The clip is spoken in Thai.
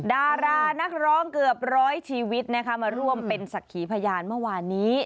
ดารานักร้องเกือบ๑๐๐ชีวิตมาร่วมเป็นสักขีพยานเมื่อวานนี้